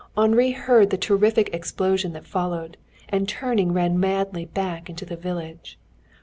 Henri heard the terrific explosion that followed, and turning ran madly back into the village.